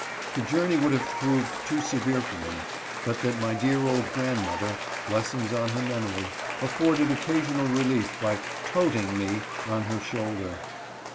The journey would have proved too severe for me, but that my dear old grandmother (blessings on her memory) afforded occasional relief by "toteing" me on her shoulder.